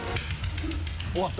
「終わった」